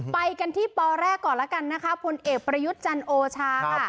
ไปกันที่ปแรกก่อนแล้วกันนะคะพลเอกประยุทธ์จันโอชาค่ะ